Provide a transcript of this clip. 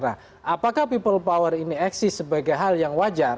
apakah people power ini eksis sebagai hal yang wajar